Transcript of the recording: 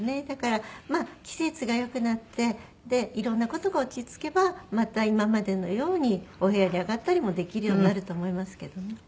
だからまあ季節が良くなっていろんな事が落ち着けばまた今までのようにお部屋に上がったりもできるようになると思いますけどね。